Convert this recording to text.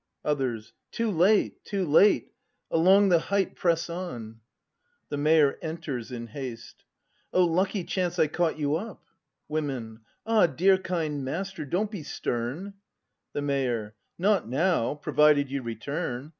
Others. Too late! Too late! Along the height press on! The Mayor. [Enters in haste.] O lucky chance I caught you up! Women. Ah, dear kind master, don't be stern! The Mayor. Not now; provided you return!